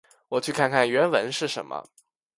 我去看看原文是什么。